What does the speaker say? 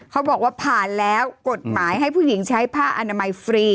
เขาบอกว่าผ่านแล้วกฎหมายให้ผู้หญิงใช้ผ้าอนามัยฟรี